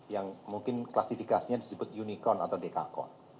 yang mungkin klasifikasinya disebut unicorn atau dekakot